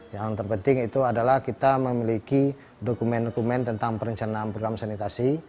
yang terpenting itu adalah kita memiliki dokumen dokumen tentang perencanaan program sanitasi